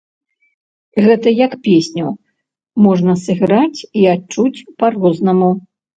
Гэта як песню можна сыграць і адчуць па-рознаму.